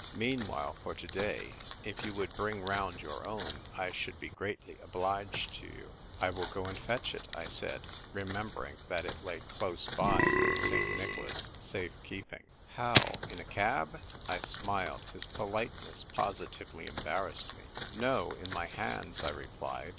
Meanwhile, for to day, if you would bring round your own, I should be greatly obliged to you." " I will go and fetch it," I said, remember ing that it lay close by in St. Nicholas's safe keeping. " How ? In a cab ?" I smiled. His politeness positively embar rassed me. " No ; in my hands," I replied.